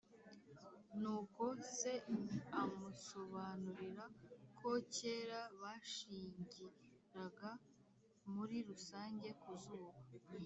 nuko se amusobanurira ko kera bashingiraga muri rusange ku zuba